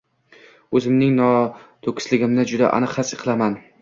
O‘zimning noto‘kisligimni juda aniq his qilaman.